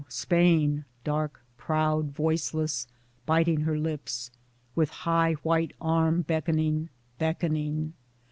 Spain — dark, proud, voiceless, biting her lips, with high white arm beckoning beckoning